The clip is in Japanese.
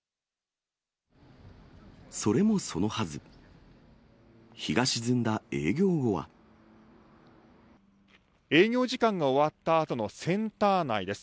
それもそのはず、営業時間が終わったあとのセンター内です。